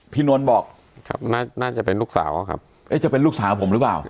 นวลบอกครับน่าจะเป็นลูกสาวครับเอ๊ะจะเป็นลูกสาวผมหรือเปล่า